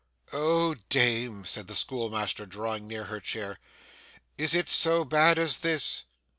'Oh, dame!' said the schoolmaster, drawing near her chair, 'is it so bad as this?